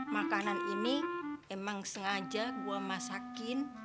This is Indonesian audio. makanan ini emang sengaja gue masakin